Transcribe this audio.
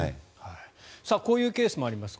こういうケースもあります